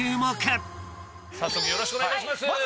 早速よろしくお願いします。